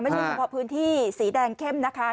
เฉพาะพื้นที่สีแดงเข้มนะคะ